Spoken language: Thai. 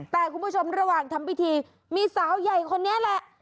แต่คุณผู้ชมระหว่างทำพิธีมีสาวใหญ่คนนี้แหละ